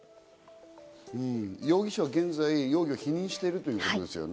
容疑者は現在、容疑を否認しているということですね。